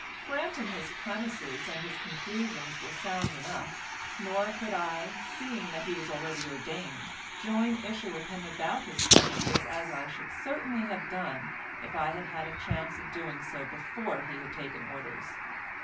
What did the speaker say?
Grant him his premises and his conclusions were sound enough, nor could I, seeing that he was already ordained, join issue with him about his premises as I should certainly have done if I had had a chance of doing so before he had taken orders.